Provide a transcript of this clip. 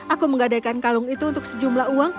aku menggadaikan kalung itu untuk sejumlah uang